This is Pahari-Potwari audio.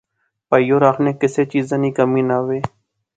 پھئی ہور آخنے کسے چیزا نی کمی نہ وہے